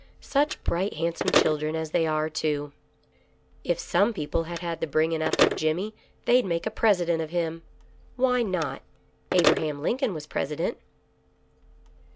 Such bright handsome children as they are, too. If some GOOD LUCK. 6l people had the bringing up of Jimmy they'd make a President of him. Why not? Abraham Lincoln was President."